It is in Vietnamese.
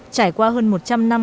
trải qua hơn một trăm linh năm